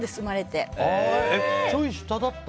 ちょい下だった。